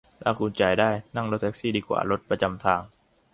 ถ้าคุณจ่ายได้ นั่งรถแท็กซี่ดีกว่ารถประจำทาง